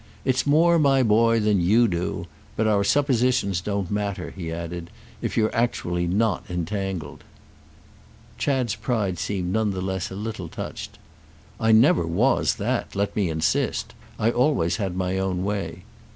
"It's more, my boy, than you do! But our suppositions don't matter," he added, "if you're actually not entangled." Chad's pride seemed none the less a little touched. "I never was that—let me insist. I always had my own way."